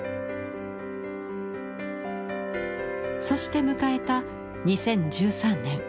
そして迎えた２０１３年。